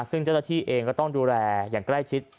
ซึ่งเจ้าหน้าที่เองก็ต้องดูแลอย่างใกล้ชิด